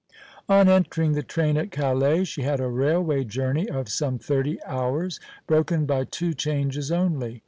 On entering the train at Calais she had a railway journey of some thirty hours, broken by two changes only.